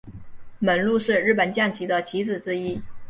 猛鹿是日本将棋的棋子之一。